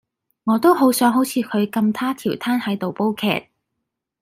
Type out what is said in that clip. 我都好想好似佢咁佗佻攤喺度煲劇